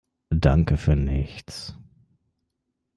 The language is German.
Danke für nichts!